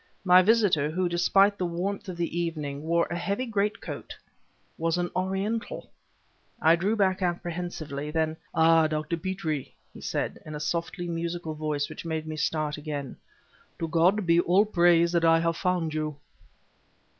My visitor, who, despite the warmth of the evening, wore a heavy greatcoat, was an Oriental! I drew back, apprehensively; then: "Ah! Dr. Petrie!" he said in a softly musical voice which made me start again, "to God be all praise that I have found you!"